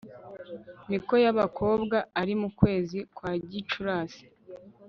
miko y'abakobwa ari mu kwezi kwa gicurasi